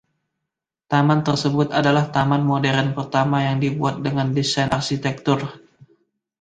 Taman tersebut adalah taman modern pertama yang dibuat dengan desain arsitektur.